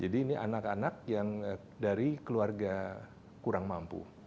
jadi ini anak anak yang dari keluarga kurang mampu